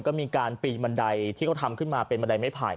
ก็มีการปีนบันไดที่เขาทำขึ้นมาเป็นบันไดไม่ไผ่